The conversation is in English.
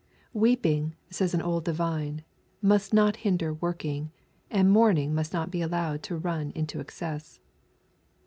"Weeping," says an old divine, "must not hinder working," and mourning must not be allowed to run into excess.